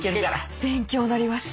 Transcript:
勉強になりました。